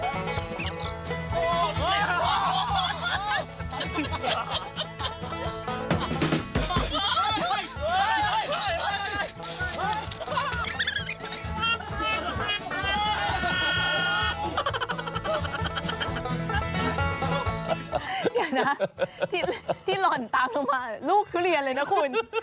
เดี๋ยวนะที่หล่อนตามลงมาลูกทุเรียนเลยนะคุณ